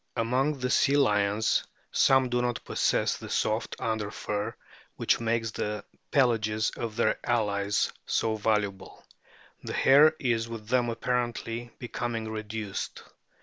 Among the Sea lions some do not possess the soft under fur which makes the pelages of their allies so valuable ; the hair is with them apparently becoming reduced.